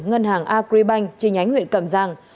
ngân hàng agribank trên nhánh huyện cẩm giang